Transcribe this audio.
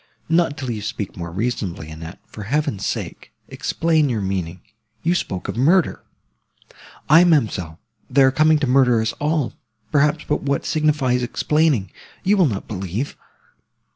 "Not till you speak more reasonably, Annette; for Heaven's sake, explain your meaning. You spoke of murder!" "Aye, ma'amselle, they are coming to murder us all, perhaps; but what signifies explaining?—you will not believe."